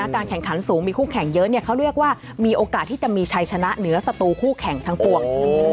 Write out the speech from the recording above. การแข่งขันสูงมีคู่แข่งเยอะเขาเรียกว่ามีโอกาสที่จะมีชัยชนะเหนือสตูคู่แข่งทั้งปวง